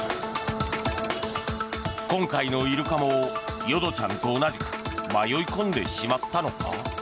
今回のイルカも淀ちゃんと同じく迷い込んでしまったのか？